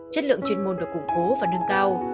chất lượng chuyên môn được củng cố và nâng cao